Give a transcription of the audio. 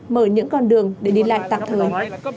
mở những con đường để đi lại tạm thời